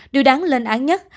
điều đáng lên án nhất